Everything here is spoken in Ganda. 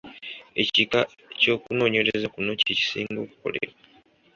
Ekika ky’okunoonyereza kuno kye kisinga okukolebwa.